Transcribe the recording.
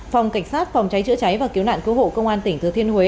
phòng cảnh sát phòng cháy chữa cháy và cứu nạn cứu hộ công an tỉnh thừa thiên huế